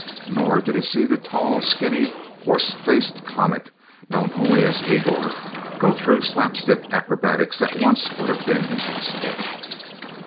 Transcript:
Nor did he see the tall, skinny, horse faced comic, known only as Igor, go through slapstick acrobatics that once would have been impossible...